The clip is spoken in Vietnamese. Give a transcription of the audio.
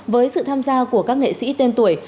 với sự tham gia của các nghệ sĩ tên tuổi